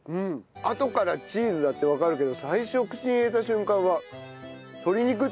あとからチーズだってわかるけど最初口に入れた瞬間は鶏肉って。